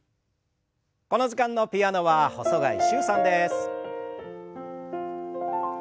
この時間のピアノは細貝柊さんです。